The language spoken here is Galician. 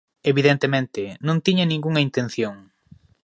Evidentemente, non tiña ningunha intención.